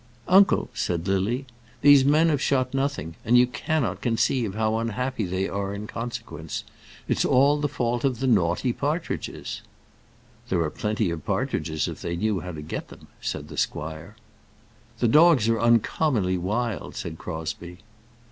"Uncle," said Lily, "these men have shot nothing, and you cannot conceive how unhappy they are in consequence. It's all the fault of the naughty partridges." [ILLUSTRATION: "It's all the fault of the naughty partridges."] "There are plenty of partridges if they knew how to get them," said the squire. "The dogs are uncommonly wild," said Crosbie.